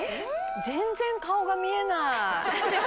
全然顔が見えない。